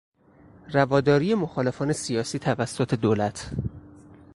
رواداری مخالفان سیاسی توسط دولت